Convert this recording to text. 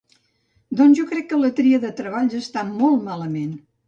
Doncs jo crec que la tria de treballs està molt malament.